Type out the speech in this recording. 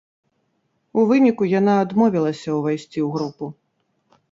У выніку яна адмовілася ўвайсці ў групу.